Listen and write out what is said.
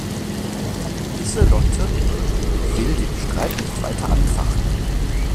Lieselotte will den Streit nicht weiter anfachen.